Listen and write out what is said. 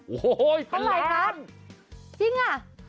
โอ้โหเป็นล้านสิ้นเท่าไหร่คะจริงอ่ะ